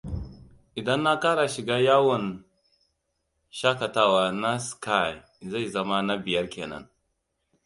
Idan na kara shiga yawon shakatawa na Ski zai zama na biyar kenan.